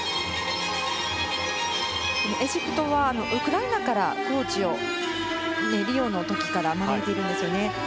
エジプトはウクライナからコーチをリオの時から招いていますよね。